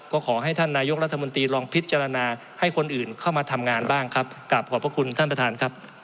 ก็ขอให้ท่านนายกรัฐมนตรีลองพิจารณาให้คนอื่นเข้ามาทำงานบ้างครับกลับขอบพระคุณท่านประธานครับ